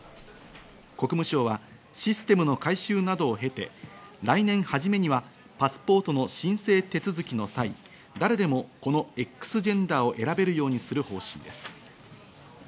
国務省はシステムの改修などを経て、来年初めにはパスポートの申請手続きの際、誰でもこのＸジェンダーを選べるようにする方針です。